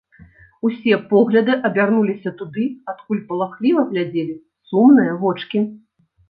Усе погляды абярнуліся туды, адкуль палахліва глядзелі сумныя вочкі.